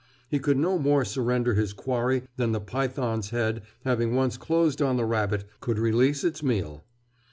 He could no more surrender his quarry than the python's head, having once closed on the rabbit, could release its meal.